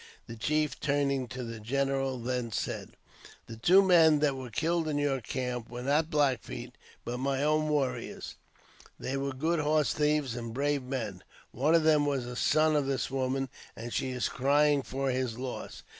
The chief, turning to the general, then said, 6 82 . AUTOBIOGBAPHY OF " The two men that were killed in your camp were not Black Feet, but my own warriors ; they were good horse thieves, and brave men. One of them was a son of this woman, and she is crying for his loss.